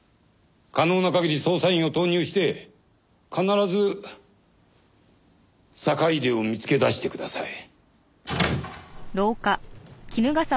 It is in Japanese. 可能な限り捜査員を投入して必ず坂出を見つけ出してください。